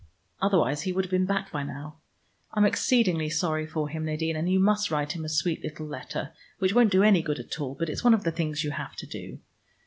Otherwise he would have been back by now. I'm exceedingly sorry for him, Nadine, and you must write him a sweet little letter, which won't do any good at all, but it's one of the things you have to do.